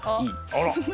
あら！